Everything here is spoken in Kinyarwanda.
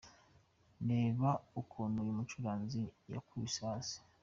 Reba ukuntu uyu mucuranzi yikubise hasi:.